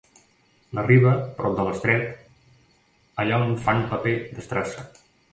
La Riba, prop de l'Estret, allà on fan paper d'estrassa.